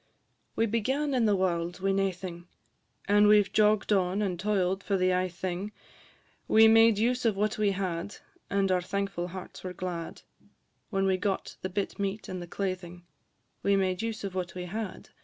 We began in the warld wi' naething, And we 've jogg'd on, and toil'd for the ae thing; We made use of what we had, And our thankful hearts were glad, When we got the bit meat and the claithing; We made use of what we had, &c.